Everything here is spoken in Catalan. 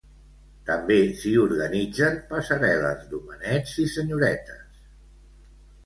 També s'hi organitzen passarel·les d'homenets i senyoretes.